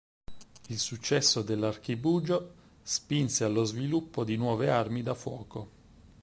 Il successo dell'archibugio spinse allo sviluppo di nuove armi da fuoco.